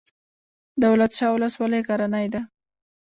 دولت شاه ولسوالۍ غرنۍ ده؟